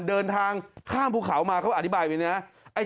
เดินทางข้ามภูเขามาเขาอธิบายเหมือนเนี้ย